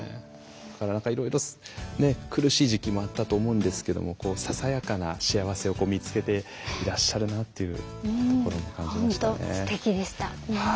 いろいろ苦しい時期もあったと思うんですけどもささやかな幸せを見つけていらっしゃるなというところも感じましたね。